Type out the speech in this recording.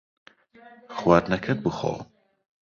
خواردنەکەت بخۆ.